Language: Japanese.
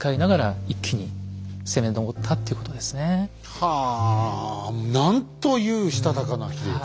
はあなんというしたたかな秀吉。